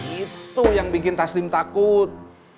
itu yang bikin nasdem takut